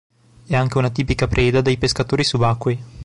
È anche una tipica preda dei pescatori subacquei.